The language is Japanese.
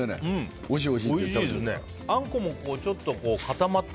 おいしい。